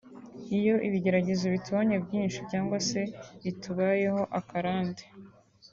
iyo ibigeragezo bitubanye byinshi cyangwa se bitubayeho akarande